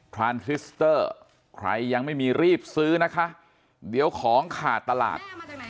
พรานซิสเตอร์ใครยังไม่มีรีบซื้อนะคะเดี๋ยวของขาดตลาด